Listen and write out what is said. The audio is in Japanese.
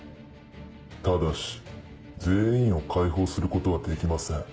ただし全員を解放することはできません。